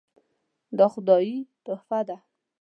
دا خدایي تحفه ده .